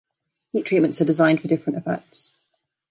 Heat treatments are designed for different effects.